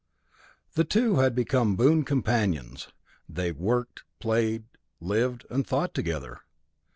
The two had become boon companions. They worked, played, lived, and thought together.